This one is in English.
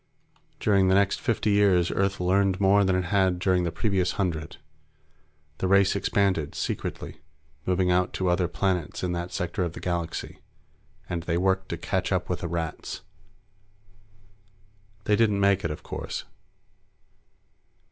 During the next fifty years, Earth learned more than it had during the previous hundred. The race expanded, secretly, moving out to other planets in that sector of the galaxy. And they worked to catch up with the Rats. They didn't make it, of course.